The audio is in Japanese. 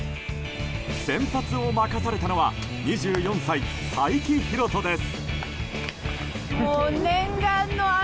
先発を任されたのは２４歳、才木浩人です。